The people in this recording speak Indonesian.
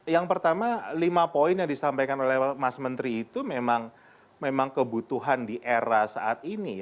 yang pertama lima poin yang disampaikan oleh mas menteri itu memang kebutuhan di era saat ini